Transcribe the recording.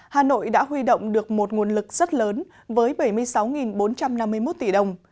hà nội đã huy động được một nguồn lực rất lớn với bảy mươi sáu bốn trăm năm mươi một tỷ đồng